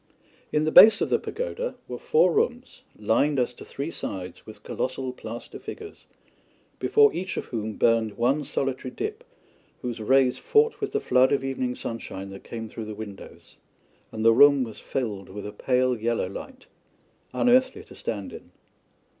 In the base of the pagoda were four rooms, lined as to three sides with colossal plaster figures, before each of whom burned one solitary dip whose rays fought with the flood of evening sunshine that came through the windows, and the room was filled with a pale yellow light unearthly to stand in.